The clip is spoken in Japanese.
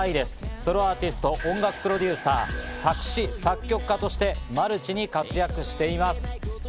ソロアーティスト、音楽プロデューサー、作詞、作曲家としてマルチに活躍しています。